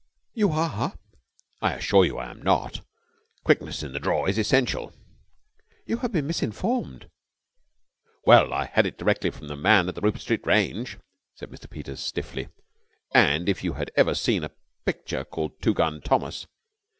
"You are!" "I assure you I am not. Quickness in the draw is essential." "You have been misinformed." "Well, I had it direct from the man at the Rupert Street range," said Mr. Peters stiffly. "And if you had ever seen a picture called Two Gun Thomas...."